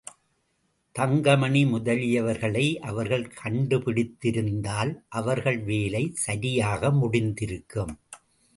தங்கமணி முதலியவர்களை அவர்கள் கண்டுபிடித்திருந்தால் அவர்கள் வேலை சரியாக முடிந்திருக்கும்.